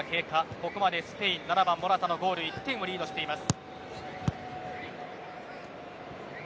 ここまでスペイン７番、モラタのゴールで１点を先制しています。